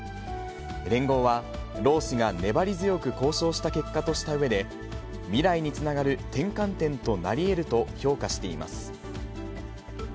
連合は、労使が粘り強く交渉した結果としたうえで、未来につながる転換点となりえると評価しています。